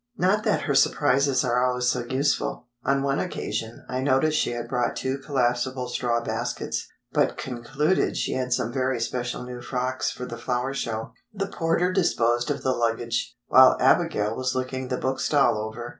Not that her surprises are always so useful. On one occasion I noticed she had brought two collapsible straw baskets, but concluded she had some very special new frocks for the flower show. The porter disposed of the luggage—while Abigail was looking the bookstall over.